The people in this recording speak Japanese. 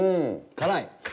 辛い？